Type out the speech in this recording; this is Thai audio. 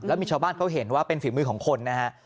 แล้วมีชาวบ้านเขาเห็นว่าเป็นฝีมือของคนนะฮะ